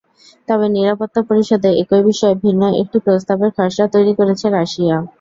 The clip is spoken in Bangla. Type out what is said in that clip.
তবে নিরাপত্তা পরিষদে একই বিষয়ে ভিন্ন একটি প্রস্তাবের খসড়া তৈরি করেছে রাশিয়া।